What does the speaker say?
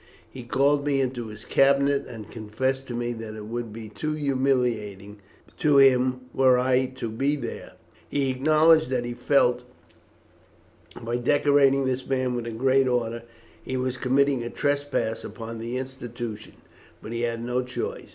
He called me into his cabinet and confessed to me that it would be too humiliating to him were I to be there. He acknowledged that he felt by decorating this man with the great Order he was committing a trespass upon the institution; but he had no choice.